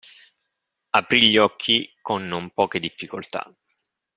Aprì gli occhi con non poche difficoltà.